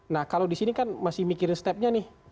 nah kalau di sini kan masih mikirin stepnya nih